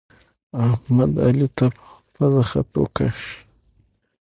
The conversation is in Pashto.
احمد، علي ته په پزه خط وکيښ.